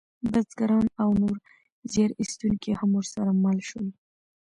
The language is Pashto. بزګران او نور زیار ایستونکي هم ورسره مل شول.